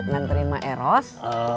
ngan terima eros